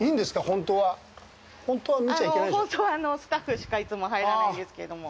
本当はスタッフしかいつも入らないですけれども。